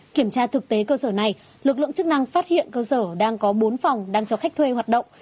kiểm tra thực tế cơ sở này lực lượng chức năng phát hiện cơ sở đang có bốn phòng đang cho khách thuê hoạt động